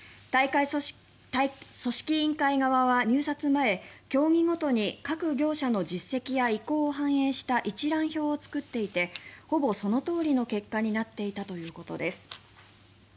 組織委員会側は入札前、競技ごとに各業者の実績や意向を反映した一覧表を作っていてほぼそのとおりの結果になっていたということです。